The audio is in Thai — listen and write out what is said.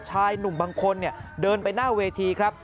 ชายหนุ่มบางคนเดินไปหน้าเวทีครับ